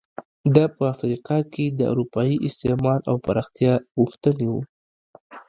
دا په افریقا کې د اروپایي استعمار او پراختیا غوښتنې وو.